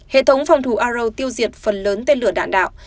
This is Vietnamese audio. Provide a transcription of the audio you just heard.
hệ thống phòng thủ aro tiêu diệt phần lớn tên lửa đạn đạo